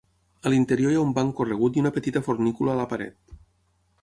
A l'interior hi ha un banc corregut i una petita fornícula a la paret.